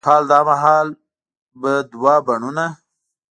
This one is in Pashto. کال دا مهال به دوه بڼوڼه،